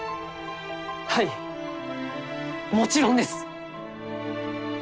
はいもちろんです！